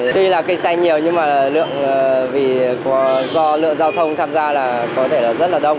tuy là cây xanh nhiều nhưng do lượng giao thông tham gia có thể rất là đông